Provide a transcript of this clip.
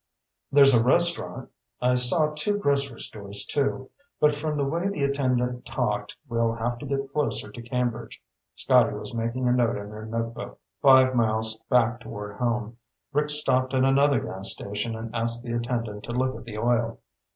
"There's a restaurant. I saw two grocery stores, too, but from the way the attendant talked, we'll have to get closer to Cambridge." Scotty was making a note in their notebook. Five miles back toward home, Rick stopped at another gas station and asked the attendant to look at the oil.